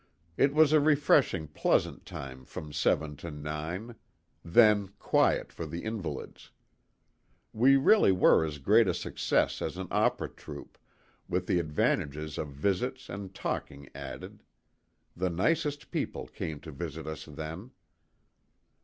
It was a refreshing pleasant time from seven to nine then, quiet for the invalids. We really were as great a success as an opera troupe, with the advantages of visits and talking added. The nicest people came to visit us then.